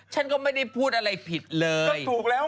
ช่อนก็ไม่ได้พูดอะไรผิดเลย